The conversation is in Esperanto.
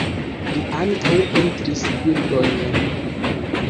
Li ankaŭ pentris bildojn.